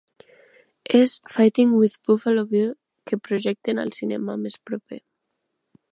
És Fighting With Buffalo Bill que projecten al cinema més proper